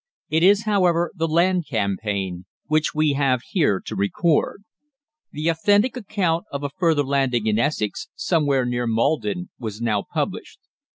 It is, however, the land campaign which we have here to record. The authentic account of a further landing in Essex somewhere near Maldon was now published.